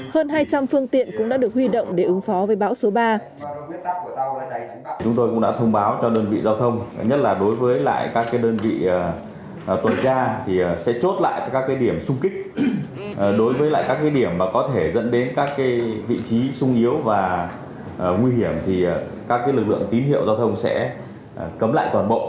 hơn hai trăm linh phương tiện cũng đã được huy động để ứng phó với bão số ba